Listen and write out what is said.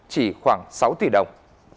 chỉ khoảng sáu tỷ đồng